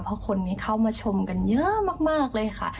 เพราะคนนี้เข้ามาชมกันเยอะมากเลยค่ะ